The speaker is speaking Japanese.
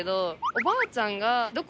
おばあちゃんが。